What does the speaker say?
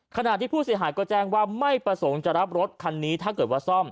ขณะที่ผู้เสียหายก็แจ้งว่าไม่ประสงค์จะรับรถคันนี้ถ้าเกิดว่าซ่อม